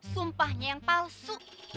sumpahnya yang palsu